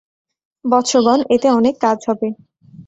বৎসগণ, এতে অনেক কাজ হবে।